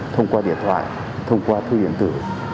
thông qua điện thoại thông qua thư điện tử